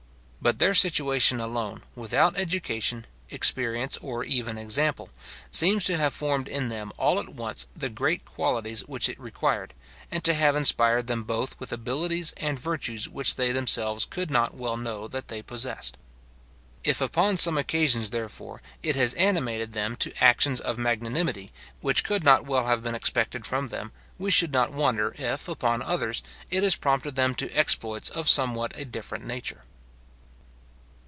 But their situation alone, without education, experience, or even example, seems to have formed in them all at once the great qualities which it required, and to have inspired them both with abilities and virtues which they themselves could not well know that they possessed. If upon some occasions, therefore, it has animated them to actions of magnanimity which could not well have been expected from them, we should not wonder if, upon others, it has prompted them to exploits of somewhat a different nature.